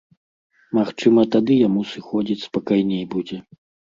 Магчыма, тады яму сыходзіць спакайней будзе.